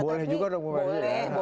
boleh juga dong ibu